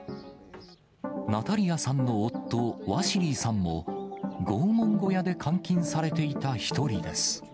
ナタリヤさんの夫、ワシリーさんも、拷問小屋で監禁されていた１人です。